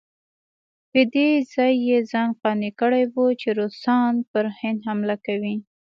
په دې یې ځان قانع کړی وو چې روسان پر هند حمله کوي.